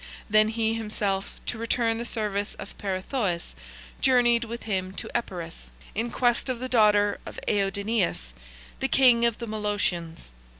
Then he himself, to return the service of Peirithoiis, journeyed with him to Epirus, in quest of the daughter of Aidoneus the king of the Molossians.